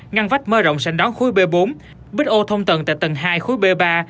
ngăn vách mơ rộng sảnh đón khối b bốn bích ô thông tầng tại tầng hai khối b ba